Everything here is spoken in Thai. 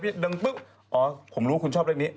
อ๋อผมรู้คุณชอบเลขนี้